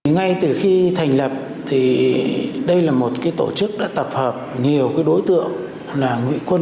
ngay từ khi thành lập thì đây là một cái tổ chức đã tập hợp nhiều cái đối tượng là ngụy quân